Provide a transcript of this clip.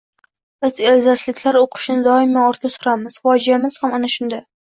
Biz elzasliklar o`qishni doimo ortga suramiz fojeamiz ham ana shunda